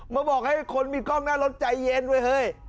บอกให้คนมีกล้องหน้ารถใจเย็นเว้ยเฮ้ย